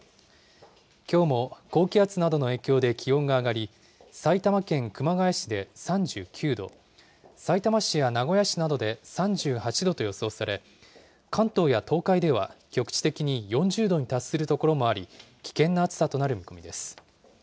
きょうも高気圧などの影響で気温が上がり、埼玉県熊谷市で３９度、さいたま市や名古屋市などで３８度と予想され、関東や東海では局地的に４０度に達する所もあり、危険な暑さとなる見込みです。